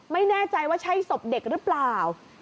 ป้าของน้องธันวาผู้ชมข่าวอ่อน